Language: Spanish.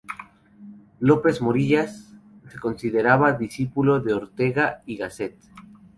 López-Morillas se consideraba discípulo de Ortega y Gasset.